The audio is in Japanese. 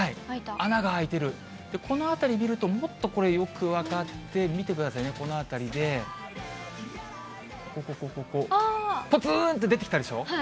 穴が開いてる、この辺り見ると、もっとこれ、よく分かって、見てくださいね、この辺りで、ここ、ここ、ここ。ぽつーんと出てきたでしょ。